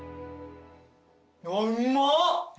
うまっ！